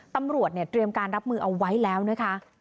ตำรวจเนี่ยเตรียมการรับมือเอาไว้แล้วนะคะ